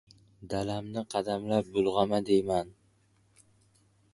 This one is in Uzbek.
— Dalamni qadamlab bulg‘ama, deyman!